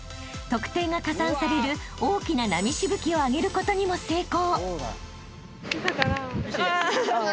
［得点が加算される大きな波しぶきをあげることにも成功］